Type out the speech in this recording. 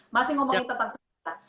masih ngomongin tentang segalanya